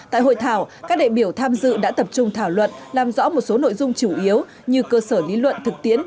tại hội thảo các đại biểu tham dự đã tập trung thảo luận làm rõ một số nội dung chủ yếu như cơ sở lý luận thực tiễn